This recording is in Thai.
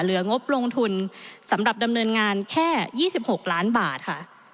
งบลงทุนสำหรับดำเนินงานแค่๒๖ล้านบาทค่ะ